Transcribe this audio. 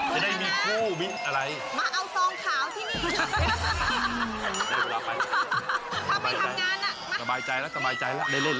จะได้มีคู่มีอะไร